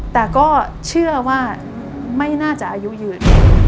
แต่ก็เชื่อว่าไม่น่าจะอายุยืน